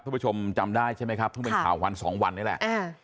ผู้ชมจำได้ใช่ไหมครับเพิ่งเป็นข่าววันสองวันนี้แหละ